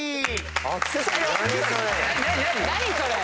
何それ？